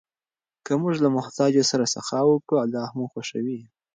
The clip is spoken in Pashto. که موږ له محتاجو سره سخا وکړو، الله مو خوښوي.